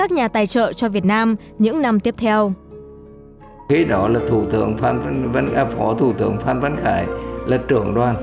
những năm tiếp theo